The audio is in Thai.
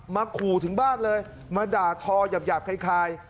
ขู่ถึงบ้านเลยมาด่าทอหยาบคล้าย